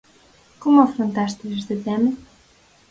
Como afrontastes este tema?